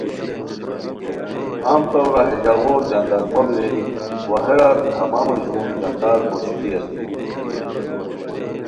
عام طورا ہے ژاغوت ژاندار ماڑی رینی وا ہیرہ تمامو ژون ژاندار پوشی دی اسونی